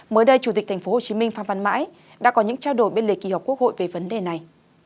mới đây chủ tịch tp hcm phan văn mãi đã có những trao đổi bên lề kỳ họp quốc hội về vấn đề này